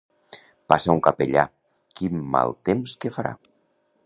Passa un capellà, quin mal temps que farà!